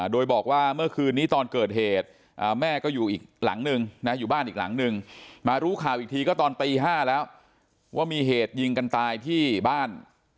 โดยบอกว่าเมื่อคืนนี้ตอนเกิดเหตุแม่ก็อยู่อีกหลังนึงนะอยู่บ้านอีกหลังนึงมารู้ข่าวอีกทีก็ตอนตี๕แล้วว่ามีเหตุยิงกันตายที่บ้าน